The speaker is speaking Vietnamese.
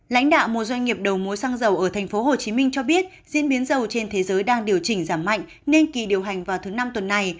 lãnh đạo một doanh nghiệp đầu mối xăng dầu ở tp hcm cho biết diễn biến dầu trên thế giới đang điều chỉnh giảm mạnh nên kỳ điều hành vào thứ năm tuần này